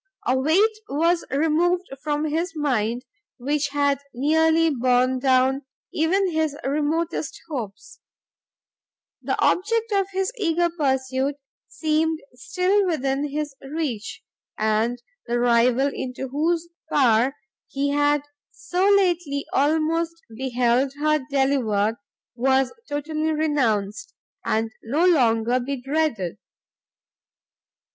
A weight was removed from his mind which had nearly borne down even his remotest hopes; the object of his eager pursuit seemed still within his reach, and the rival into whose power he had so lately almost beheld her delivered, was totally renounced, and no longer to be dreaded.